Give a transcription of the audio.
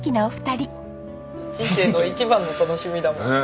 人生の一番の楽しみだもんね。